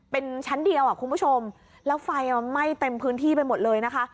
เป็นชั้นเดียวอ่ะคุณผู้ชมแล้วไฟไหม้เต็มพื้นที่ไปหมดเลยนะคะ